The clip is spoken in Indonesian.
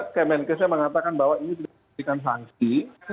kemenkesnya mengatakan bahwa ini sudah diberikan sanksi